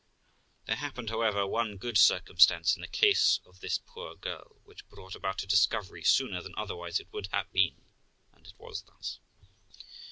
There happened, however, one good circumstance in the case of this poor girl, which brought about a discovery sooner than otherwise it would have been, and it was thus.